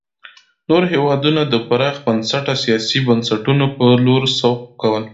نور هېوادونه د پراخ بنسټه سیاسي بنسټونو په لور سوق کول.